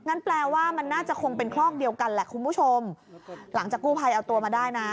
แปลว่ามันน่าจะคงเป็นคลอกเดียวกันแหละคุณผู้ชมหลังจากกู้ภัยเอาตัวมาได้นะ